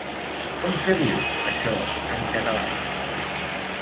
Com se diu, això, en català?